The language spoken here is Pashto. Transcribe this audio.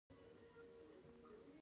هو، لږ درد لرم